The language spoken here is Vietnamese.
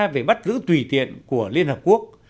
về bắt giữ tùy tiện của liên hợp quốc